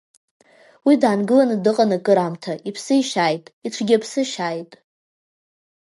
Уа даангыланы дыҟан акыраамҭа, иԥсы ишьаит, иҽгьы аԥсы ашьаит.